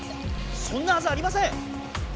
そんなはずありません！